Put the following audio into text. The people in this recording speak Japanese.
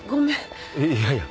いやいや。